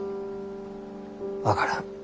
分からん。